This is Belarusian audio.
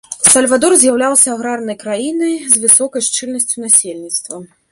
Сальвадор з'яўляўся аграрнай краінай з высокай шчыльнасцю насельніцтва.